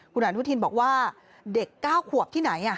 คุณอนุทินบอกว่าเด็ก๙ขวบที่ไหน